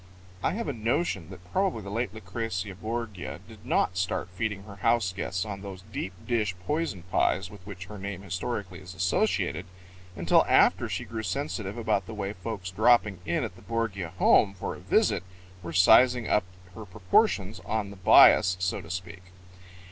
I have a notion that probably the late Lucrezia Borgia did not start feeding her house guests on those deep dish poison pies with which her name historically is associated until after she grew sensitive about the way folks dropping in at the Borgia home for a visit were sizing up her proportions on the bias, so to speak.